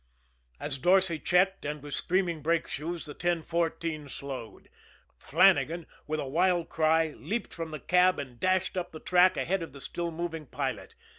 As Dorsay checked and with screaming brake shoes the 1014 slowed, Flannagan, with a wild cry, leaped from the cab and dashed up the track ahead of the still moving pilot.